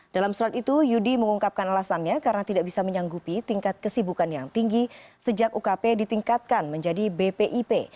dalam surat itu yudi mengungkapkan alasannya karena tidak bisa menyanggupi tingkat kesibukan yang tinggi sejak ukp ditingkatkan menjadi bpip